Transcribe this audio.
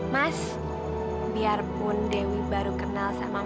mas biarpun dewi baru kenal sama mas